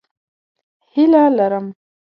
هیله لرم